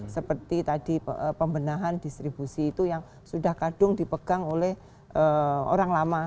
seperti tadi pembenahan distribusi itu yang sudah kadung dipegang oleh orang lama